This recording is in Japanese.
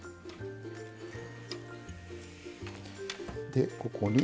でここに。